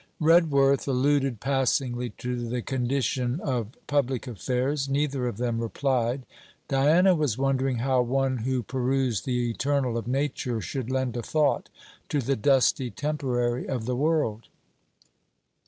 Redworth alluded passingly to the condition of public affairs. Neither of them replied. Diana was wondering how one who perused the eternal of nature should lend a thought to the dusty temporary of the world.